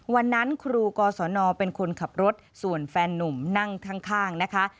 วันนั้นครูกศนเป็นคนขับรถส่วนแฟนนุ่มนั่งข้างนะคะ